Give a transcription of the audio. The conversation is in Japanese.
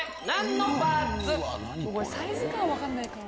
サイズ感分かんないから。